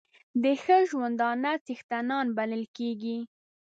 د ښه ژوندانه څښتنان بلل کېږي.